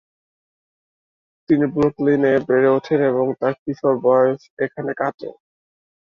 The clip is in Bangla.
তিনি ব্রুকলিনে বেড়ে ওঠেন এবং তার কিশোর বয়স এখানে কাটে।